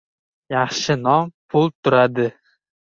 • Yaxshi nom pul turadi.